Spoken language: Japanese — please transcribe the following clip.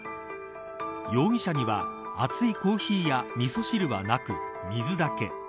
容疑者には熱いコーヒーや、みそ汁はなく水だけ。